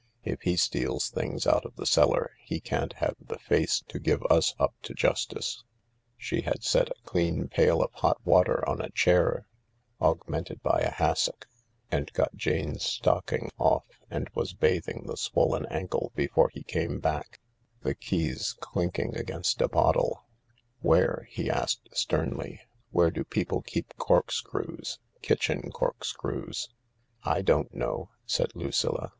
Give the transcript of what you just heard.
" If he steals things out of the cellar he can't have the face to give us up to justice." She had set a clean pail of hot water on a chair aug mented by a hassock, had got Jane's stocking off and was bathing the swollen ankle before he came back— the kevS clinking against a bottle. THE LARK 61 "Where," he asked sternly, "where do people keep corkscrews — kitchen corkscrews ?""/ don't know," said Lucilla.